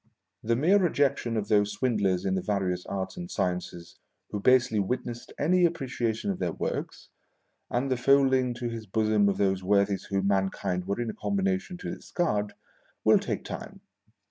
The mere rejection of those swindlers in the various arts and sciences who basely witnessed any apprecia tion of their works, and the folding to his bosom of those worthies whom mankind were in a combination to discard, will take time.